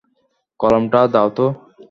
কলমটা দাও তো।